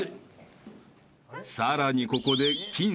［さらにここで］